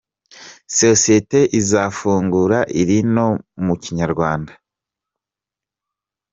Sosiyeti izafungura iri no mu Kinyarwanda